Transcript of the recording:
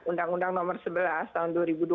undang undang nomor sebelas tahun dua ribu dua belas